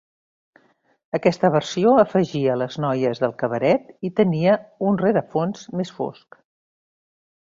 Aquesta versió afegia les Noies del Cabaret, i tenia un rerefons més fosc.